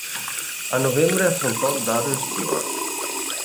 A novembre affrontò Darren Stewart.